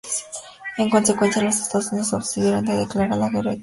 En consecuencia, los Estados Unidos se abstuvieron de declarar la guerra a Tailandia.